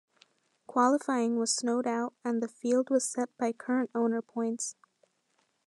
Qualifying was snowed out and the field was set by current owner points.